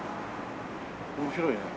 面白いね。